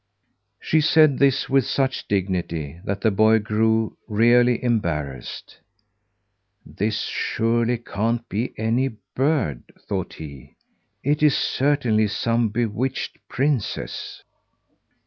She said this with such dignity, that the boy grew really embarrassed. "This surely can't be any bird," thought he. "It is certainly some bewitched princess."